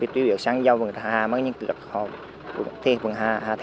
tuy nhiên sáng dâu vừa thả mấy cái cửa không